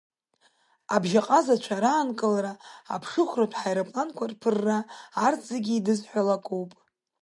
Абжьаҟазацәа раанкылара, аԥшыхәратә ҳаирпланқәа рыԥырра, арҭ зегьы еидызҳәало акоуп.